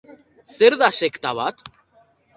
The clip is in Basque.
Zer da sekta bat?